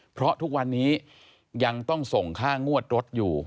เพราะทุกวันนี้ยังต้องส่งค่างวดรถอยู่